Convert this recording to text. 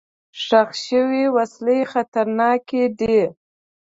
ښخ شوي وسلې خطرناکې دي.